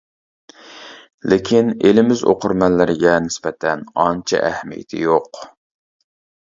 لېكىن ئېلىمىز ئوقۇرمەنلىرىگە نىسبەتەن ئانچە ئەھمىيىتى يوق.